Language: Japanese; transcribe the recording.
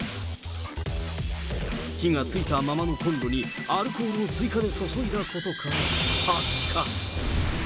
火がついたままのコンロにアルコールを追加で注いだことから発火。